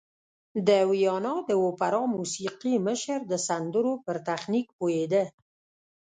د ویانا د اوپرا موسیقي مشر د سندرو پر تخنیک پوهېده